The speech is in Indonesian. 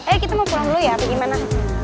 eh kita mau pulang dulu ya atau gimana